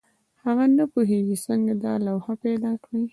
هغه نه پوهېږي څنګه دا لوحه پیدا کړي.